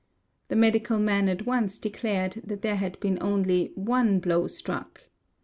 The medical man at once declared that there had been only one blow struck.